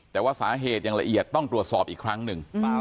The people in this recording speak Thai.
แต่ว่าสาเหตุอย่างละเอียดต้องตรวจสอบอีกครั้งหนึ่ง